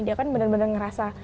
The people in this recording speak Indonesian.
dia kan bener bener ngerasa